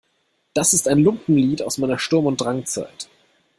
Das ist ein Lumpenlied aus meiner Sturm- und Drangzeit.